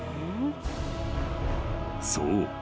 ［そう。